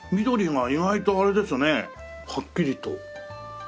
緑が意外とあれですねはっきりと。